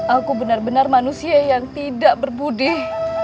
aku benar benar manusia yang tidak berbudih